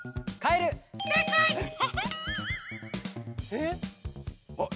えっ。